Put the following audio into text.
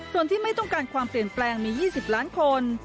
ส่วนที่ไม่ต้องการความเปลี่ยนแปลงมี๒๐ล้านคน